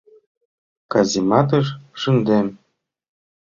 Казематыш шындем!